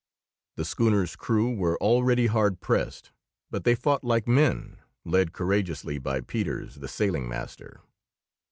The schooner's crew were already hard pressed; but they fought like men, led courageously by Peters, the sailing master.